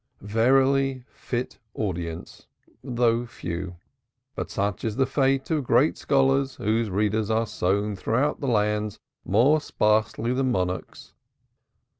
Verily, fit audience though few. But such is the fate of great scholars whose readers are sown throughout the lands more sparsely than monarchs.